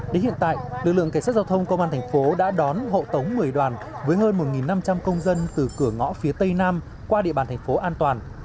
đến hiện tại lực lượng cảnh sát giao thông công an thành phố đã đón hộ tống một mươi đoàn với hơn một năm trăm linh công dân từ cửa ngõ phía tây nam qua địa bàn thành phố an toàn